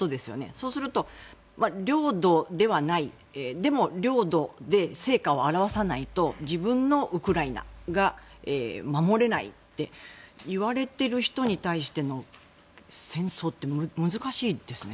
そうすると、領土ではないでも、領土で成果を表さないと自分のウクライナが守れないって言われてる人に対しての戦争って難しいですね。